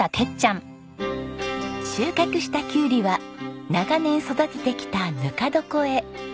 収穫したキュウリは長年育ててきたぬか床へ。